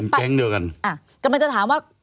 เป็นแค้งด้วยกัน